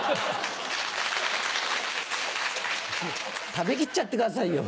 食べ切っちゃってくださいよ。